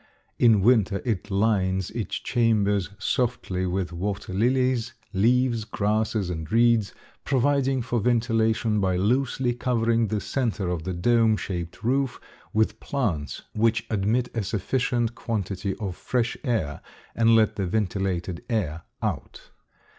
In winter it lines its chambers softly with water lilies, leaves, grasses, and reeds, providing for ventilation by loosely covering the center of the dome shaped roof with plants, which admit a sufficient quantity of fresh air and let the vitiated air out.